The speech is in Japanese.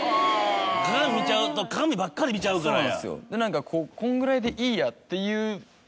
鏡見ちゃうと鏡ばっかり見ちゃうからや！